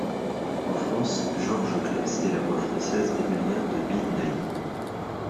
En France, Georges Claisse est la voix française régulière de Bill Nighy.